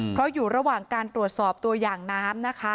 เพราะอยู่ระหว่างการตรวจสอบตัวอย่างน้ำนะคะ